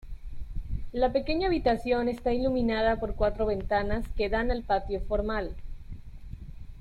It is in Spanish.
La pequeña habitación está iluminada por cuatro ventanas que dan al patio formal.